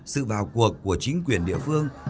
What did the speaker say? tự vào cuộc của chính quyền địa phương